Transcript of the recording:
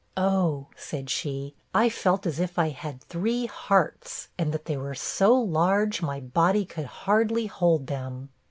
'Oh,' said she, 'I felt as if I had three hearts! and that they were so large, my body could hardly hold them!'